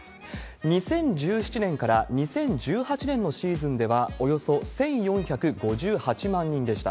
２０１７年から２０１８年のシーズンでは、およそ１４５８万人でした。